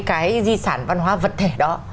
cái di sản văn hóa vật thể đó